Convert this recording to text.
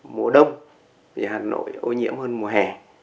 mùa đông thì hà nội ô nhiễm hơn mùa hè